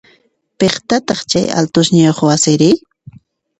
Piqpataq chay altosniyoq wasiri?